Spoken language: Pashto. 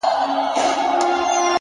• خپلي خبري خو نو نه پرې کوی؛